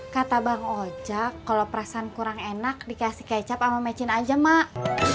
kata bang ojak kalau perasaan kurang enak dikasih kecap sama mecin aja emak